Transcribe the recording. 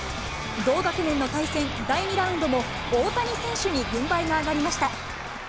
同学年の対戦、第２ラウンドも、大谷選手に軍配が上がりました。